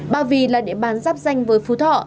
ba vì là địa bàn giáp danh với phú thọ